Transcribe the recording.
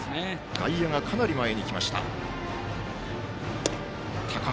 外野がかなり前に来ました。